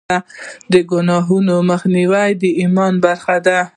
د ګناهونو مخنیوی د ایمان برخه ده.